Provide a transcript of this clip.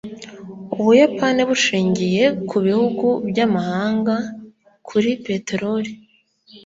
ubuyapani bushingiye kubihugu byamahanga kuri peteroli